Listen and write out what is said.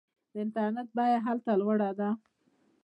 د انټرنیټ بیه هلته لوړه ده.